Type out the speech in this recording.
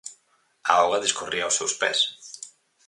A auga discorría ós seus pés.